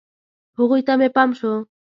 هغوی ته مې پام شو.